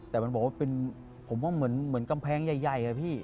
แต่มันบอกว่าผมว่าเหมือนกำแพงใหญ่